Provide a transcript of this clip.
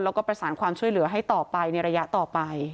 แล้วก็ประสานความช่วยเหลือให้ต่อไปในระยะต่อไป